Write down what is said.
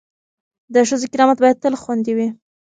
د ښځو کرامت باید تل خوندي وي.